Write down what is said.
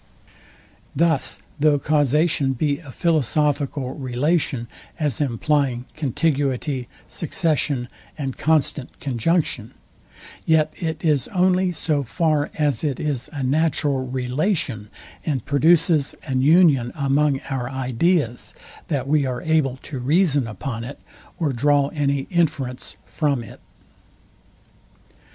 Thus though causation be a philosophical relation, as implying contiguity, succession, and constant conjunction, yet it is only so far as it is a natural relation, and produces an union among our ideas, that we are able to reason upon it, or draw any inference from it.